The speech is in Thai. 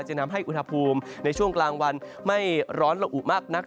จะนำให้อุณหภูมิในช่วงกลางวันไม่ร้อนละอุมากนัก